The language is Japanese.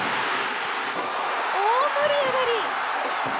大盛り上がり！